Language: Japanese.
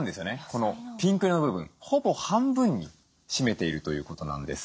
このピンク色の部分ほぼ半分に占めているということなんです。